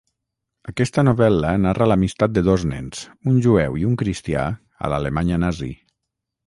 Aquesta novel·la narra l'amistat de dos nens, un jueu i un cristià a l'Alemanya nazi.